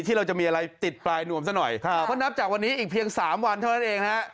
ที่เราจะมีอะไรติดปลายนวมซะหน่อยเพราะนับจากวันนี้อีกเพียงสามวันเท่านั้นเองฮะ